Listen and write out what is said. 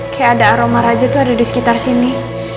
kayak ada aroma raja tuh ada di sekitar sini